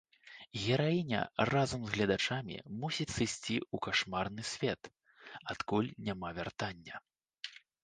Гераіня, разам з гледачамі, мусіць сысці ў кашмарны свет, адкуль няма вяртання.